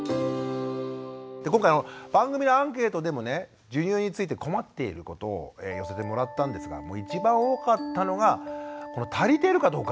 今回番組のアンケートでもね「授乳について困っていること」を寄せてもらったんですが一番多かったのが足りてるかどうか分かんないという。